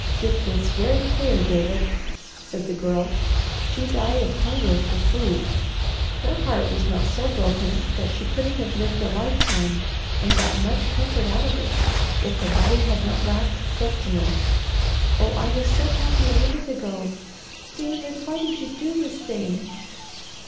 "Get this very clear, David," said the Girl. "She died of hunger for food. Her heart was not so broken that she couldn't have lived a lifetime, and got much comfort out of it, if her body had not lacked sustenance. Oh I was so happy a minute ago. David, why did you do this thing?"